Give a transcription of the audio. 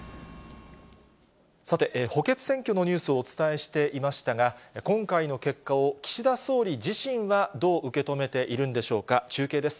さて、補欠選挙のニュースをお伝えしていましたが、今回の結果を岸田総理自身は、どう受け止めているんでしょうか、中継です。